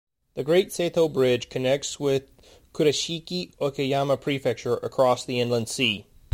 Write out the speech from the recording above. The Great Seto Bridge connects it with Kurashiki, Okayama Prefecture across the Inland Sea.